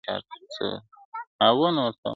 دا ستا دسرو سترگو خمار وچاته څه وركوي